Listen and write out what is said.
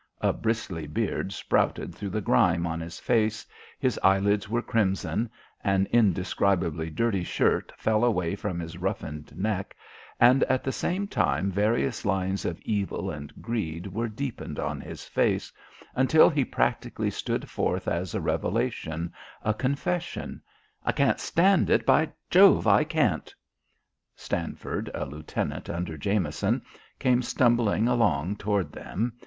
A bristly beard sprouted through the grime on his face; his eyelids were crimson; an indescribably dirty shirt fell away from his roughened neck; and at the same time various lines of evil and greed were deepened on his face, until he practically stood forth as a revelation, a confession. "I can't stand it. By Jove, I can't." Stanford, a Lieutenant under Jameson, came stumbling along toward them.